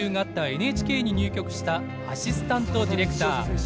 ＮＨＫに入局したアシスタントディレクター。